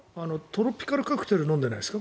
トロピカルカクテルを飲んでないですか？